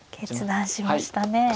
はいしましたね。